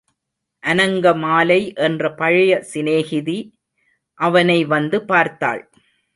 அநங்கமாலை என்ற பழைய சிநேகிதி அவனை வந்து பார்த்தாள்.